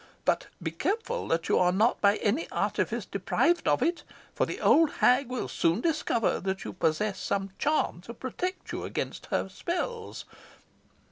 But be careful that you are not by any artifice deprived of it, for the old hag will soon discover that you possess some charm to protect you against her spells.